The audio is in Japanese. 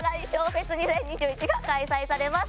フェス２０２１が開催されます。